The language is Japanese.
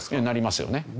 なりますよね。